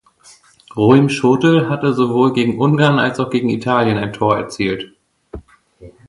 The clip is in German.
Ruimschotel hatte sowohl gegen Ungarn als auch gegen Italien ein Tor erzielt.